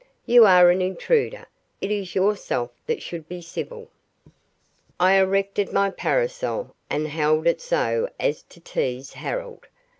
You are an intruder; it is yourself that should be civil." I erected my parasol and held it so as to tease Harold.